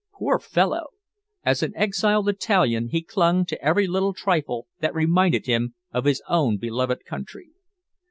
Poor fellow! As an exiled Italian he clung to every little trifle that reminded him of his own beloved country.